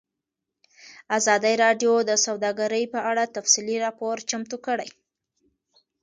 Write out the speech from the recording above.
ازادي راډیو د سوداګري په اړه تفصیلي راپور چمتو کړی.